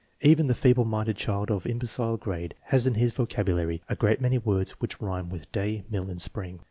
Even the feeble minded child of imbecile grade has in his vocabulary a great many words which rhyme with day, mill, and spring.